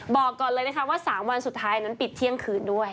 บอกก่อนเลยนะคะว่า๓วันสุดท้ายนั้นปิดเที่ยงคืนด้วย